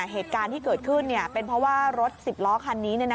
เหตุการณ์ที่เกิดขึ้นเป็นเพราะว่ารถ๑๐ล้อคันนี้